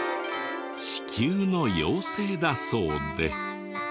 地球の妖精だそうで。